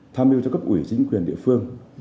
tham dự cho các ủy chính quyền địa phương